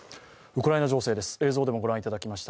ウクライナ映像です。